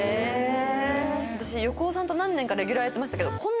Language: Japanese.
私横尾さんと何年かレギュラーやってましたけどこんな。